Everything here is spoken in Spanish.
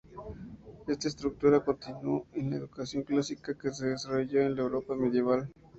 Esta estructura continuó en la educación clásica que se desarrolló en la Europa medieval.